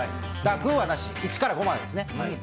グーはなし、１から５までですね。